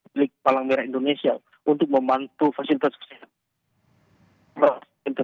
milik palang merah indonesia untuk membantu fasilitas kesehatan